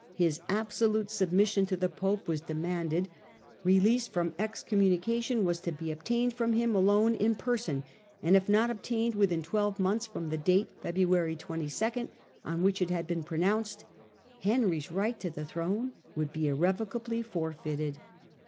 His absolute submission to the pope was demanded ; release from excommunication was to be obtained from him alone in person, and if not obtained within twelve months from the date (February 22) on which it had been pronounced, Henry's right to the throne would be irrevocably forfeited.